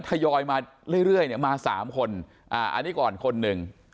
ทยอยมาเรื่อยเนี่ยมา๓คนอันนี้ก่อนคนหนึ่ง